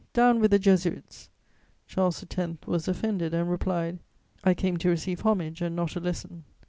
Down with the Jesuits!" Charles X. was offended, and replied: "I came to receive homage, and not a lesson."